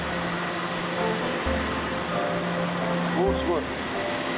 おおすごい。